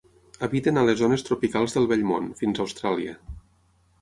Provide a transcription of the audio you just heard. Habiten a les zones tropicals del Vell Món, fins a Austràlia.